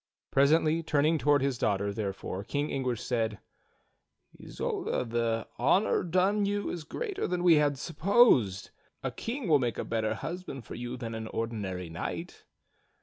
Presently turn ing toward his daughter, therefore. King Anguish said: "Isolda, the honor done you is greater than we had supposed. A king will make a better husband for you than an ordinary knight."